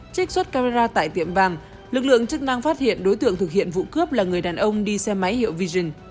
trích xuất camera tại tiệm vàng lực lượng chức năng phát hiện đối tượng thực hiện vụ cướp là người đàn ông đi xe máy hiệu vision